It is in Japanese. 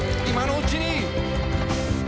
今のうちに」